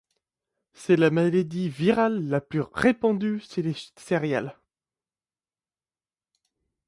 C'est la maladie virale la plus répandue chez les céréales.